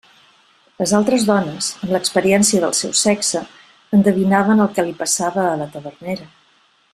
Les altres dones, amb l'experiència del seu sexe, endevinaven el que li passava a la tavernera.